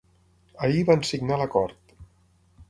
Ahir van signar l’acord.